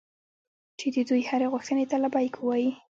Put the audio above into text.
چې د دوی هرې غوښتنې ته لبیک ووایي.